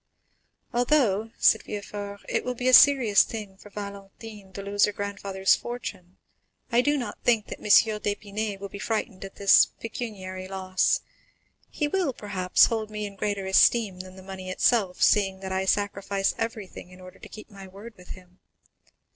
"Although," said Villefort, "it will be a serious thing for Valentine to lose her grandfather's fortune, I do not think that M. d'Épinay will be frightened at this pecuniary loss. He will, perhaps, hold me in greater esteem than the money itself, seeing that I sacrifice everything in order to keep my word with him.